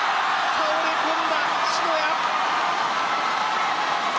倒れ込んだ篠谷。